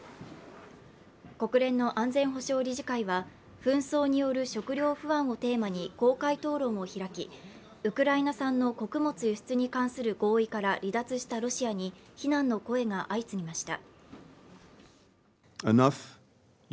国連の安全保障理事会は紛争による食料不安をテーマに公開討論を開き、ウクライナ産の穀物輸出に関する合意から離脱したロシアに非難の声が相次ぎました。